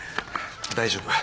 大丈夫。